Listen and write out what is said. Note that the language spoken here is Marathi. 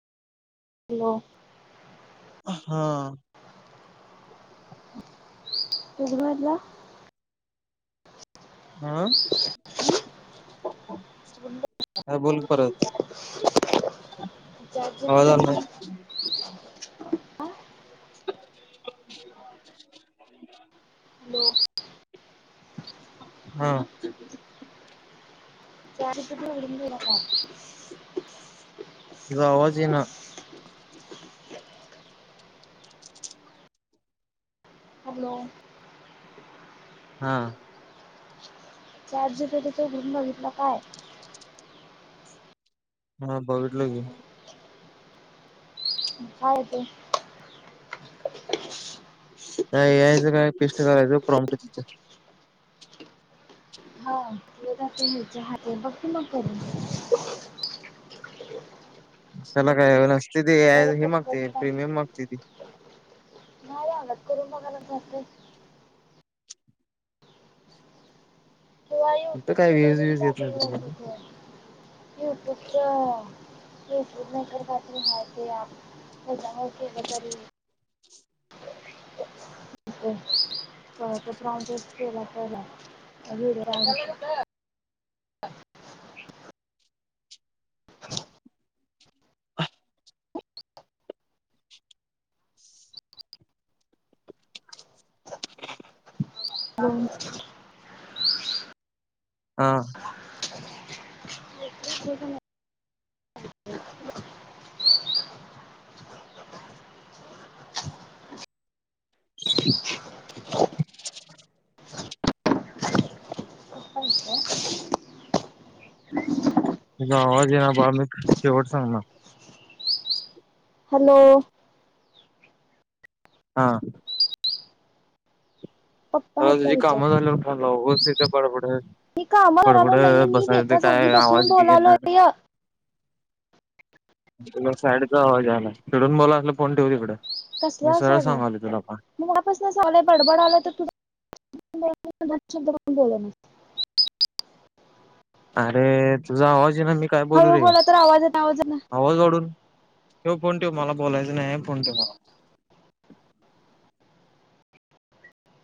म हां उघडू घातलीया हां [unintelligible] काय बोलनं परत चाट जी पी आवाज आला टी नाही ची हा [inaudible] हॅलो हं [unintelligible] ग आवाज ये ना हमलो हां चाट जी पी टी च घेऊन बघितलं काय हा बघितलं की काय ये ते [inaudible] काय यायचं काय पेस्ट करायचं प्रॉमुच्या तिथं एक हात ते ह्याच्या हाती बघ की मग करून कशाला काय नसते ती काय त्याला हे कटकट मागते नाही प्रीमियम मागते ती नाही आवडत करून बघायला जाते फक्त काय व्हूज बिज येत नाही [unintelligible] ते प्रीमियम पूर्ण का काय तरी हा ते ऍप हेजा मध्ये केल तरी [inaudible] [unintelligible] लोन [unintelligible] हां व्हिडिओ [unintelligible] तुझा आवाज ये ना बा मी शेवट सांगणार हॅलो हां पप्पा आ आहेत का तुझी काम विचारलं झाल्यावर फोन उगच इथं बंड बड मी काम करालो नाहीये बडबडत मी बसायच ते एका जागी काय बसून आवाज बि ये ना बोलालोय तुला साईडचा आवाज यायलाय तडून बोला असला फोन ठेव तिकड कसलं असायला मी पासना आलाय बडबडालय त तुझा [unintelligible] अरे तुझा आवाज ये ना मी काय बोलू हळू रे? बोला तर आवाज येत आवाज ना आवाज वाढून ठेव फोन ठेव मला बोलायचं नाही फोन ठेव बाबा